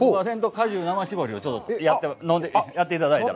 果汁生搾りをちょっと飲んで、やっていただいたら。